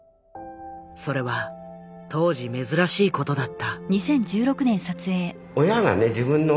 それは当時珍しい事だった。